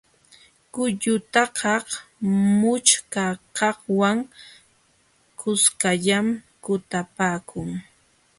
Qullutakaq mućhkakaqwan kuskallam kutapaakun.